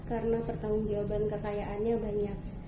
karena pertanggung jawaban kekayaannya banyak